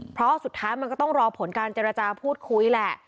เพราะสุดท้ายมันก็ต้องรอผลการเจรจาพูดคุยแหละ